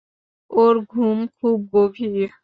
ওর ঘুম খুব গভীর।